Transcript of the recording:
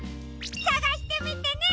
さがしてみてね！